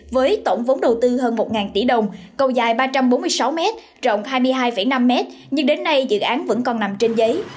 với tổng vốn đầu tư hơn một tỷ đồng cầu dài ba trăm bốn mươi sáu m rộng hai mươi hai năm m nhưng đến nay dự án vẫn còn nằm trên giấy